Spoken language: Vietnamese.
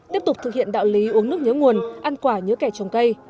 tiếp tục thực hiện đạo lý uống nước nhớ nguồn ăn quả nhớ kẻ trồng cây